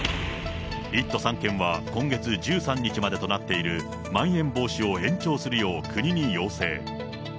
１都３県は今月１３日までとなっているまん延防止を延長するよう国に要請。